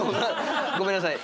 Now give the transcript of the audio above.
ごめんなさい。